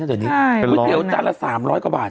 กล้วยเตี๋ยวตั้งละ๓๐๐กว่าบาท